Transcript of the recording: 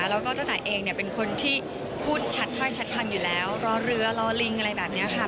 แล้วก็เจ้าจ่ายเองเนี่ยเป็นคนที่พูดชัดถ้อยชัดทันอยู่แล้วรอเรือรอลิงอะไรแบบนี้ค่ะ